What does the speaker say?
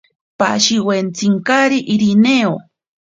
Pashiwentsinkari Irineo.